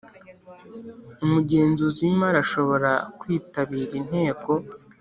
Umugenzuzi w imari ashobora kwitabira inteko